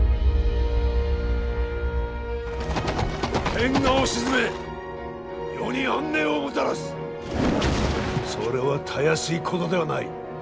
天下を鎮め世に安寧をもたらすそれはたやすいことではない。